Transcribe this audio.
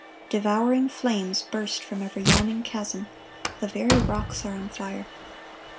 Devouring flames burst from every yawning chasm. The very rocks are on fire.